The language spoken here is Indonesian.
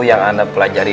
yang anda pelajari